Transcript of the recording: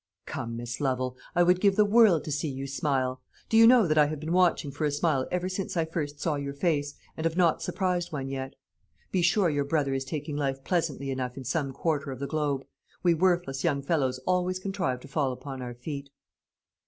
"Come, Miss Lovel, I would give the world to see you smile. Do you know that I have been watching for a smile ever since I first saw your face, and have not surprised one yet? Be sure your brother is taking life pleasantly enough in some quarter of the globe. We worthless young fellows always contrive to fall upon our feet."